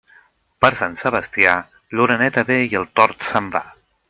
Per Sant Sebastià, l'oreneta ve i el tord se'n va.